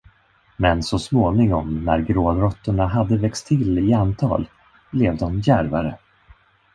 Men så småningom, när gråråttorna hade växt till i antal, blev de djärvare.